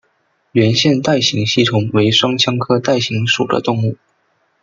圆腺带形吸虫为双腔科带形属的动物。